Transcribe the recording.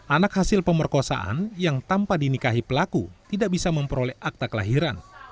anak hasil pemerkosaan yang tanpa dinikahi pelaku tidak bisa memperoleh akta kelahiran